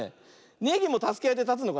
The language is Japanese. ネギもたすけあいでたつのかな。